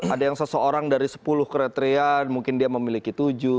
ada yang seseorang dari sepuluh kriterian mungkin dia memiliki tujuh